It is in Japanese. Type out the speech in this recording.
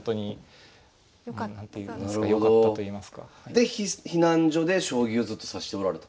で避難所で将棋をずっと指しておられたんですか？